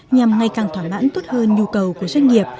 nhằm ngay càng thoả mãn tốt hơn nhu cầu của doanh nghiệp